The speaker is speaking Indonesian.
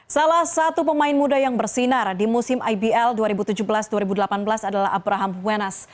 salah satu pemain muda yang bersinar di musim ibl dua ribu tujuh belas dua ribu delapan belas adalah abraham wenas